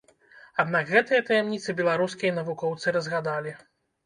Аднак гэтыя таямніцы беларускія навукоўцы разгадалі.